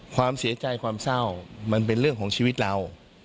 ความเสียใจความเศร้ามันเป็นเรื่องของชีวิตเรา